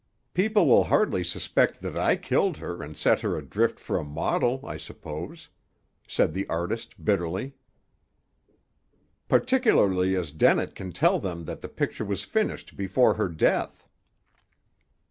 "People will hardly suspect that I killed her and set her adrift for a model, I suppose," said the artist bitterly; "particularly as Dennett can tell them that the picture was finished before her death."